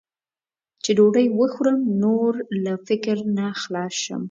چې ډوډۍ وخورم، نور له فکر نه خلاص شم.